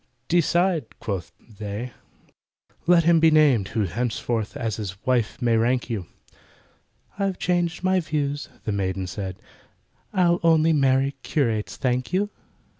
"Decide!" quoth they, "let him be named, Who henceforth as his wife may rank you." "I've changed my views," the maiden said, "I only marry curates, thank you!"